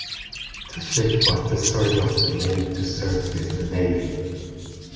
The ship was the third of the name to serve with the navy.